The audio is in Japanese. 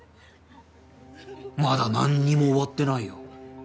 まだなんにも終わってないよ。